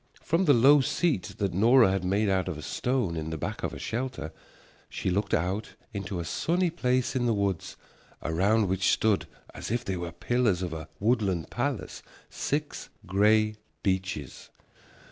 From the low seat that Nora had made out of a stone in the back of her shelter she looked out into a sunny place in the woods, around which stood, as if they were pillars of a woodland palace, six gray beeches.